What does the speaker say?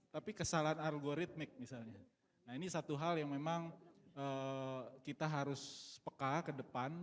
tapi kesalahan argoretmik misalnya nah ini satu hal yang memang kita harus peka ke depan